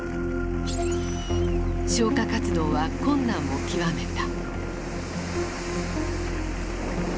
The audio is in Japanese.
消火活動は困難を極めた。